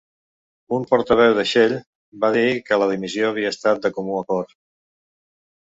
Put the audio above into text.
Un portaveu de Shell va dir que la dimissió havia estat de comú acord.